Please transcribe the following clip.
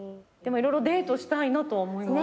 色々デートしたいなとは思います。